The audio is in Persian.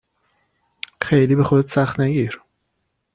خیلی به خودت سخت نگیر.